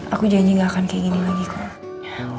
aku janji gak akan kayak gini lagi kak